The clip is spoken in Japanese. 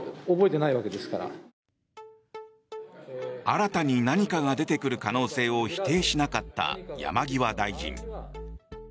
新たに何かが出てくる可能性を否定しなかった山際大臣。